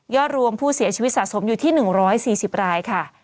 รวมผู้เสียชีวิตสะสมอยู่ที่๑๔๐รายค่ะ